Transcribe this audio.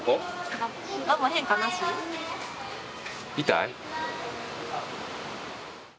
痛い？